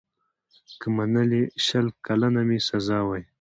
که منلې شل کلنه مي سزا وای